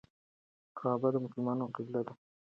کعبه د مسلمانانو قبله ده.